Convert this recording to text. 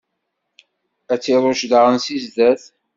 Ad t-iṛucc daɣen si zdat.